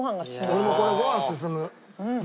俺もこれご飯進む。